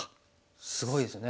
すごいですね。